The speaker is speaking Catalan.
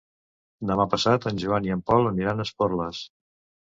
Demà passat en Joan i en Pol aniran a Esporles.